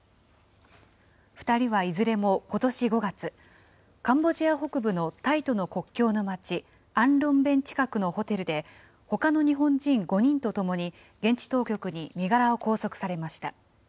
２人はいずれもことし５月、カンボジア北部のタイとの国境の町、アンロンベン近くのホテルで、ほかの日本人５人とともに現地当局に身柄を拘束されました。